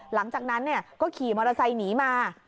หลังจากนั้นก็ขี่มอเตอร์ไซค์หนีมา